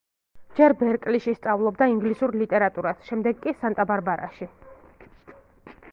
ჯერ ბერკლიში სწავლობდა ინგლისურ ლიტერატურას, შემდეგ კი სანტა-ბარბარაში.